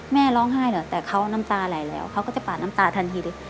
แม่ร้องไห้เหรอแต่เขาน้ำตาไหลแล้วเขาก็จะปาดน้ำตาทันทีเลย